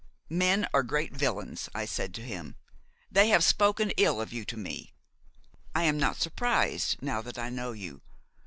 "Men are great villains," I said to him; "they have spoken ill of you to me. I am not surprised, now that I know you.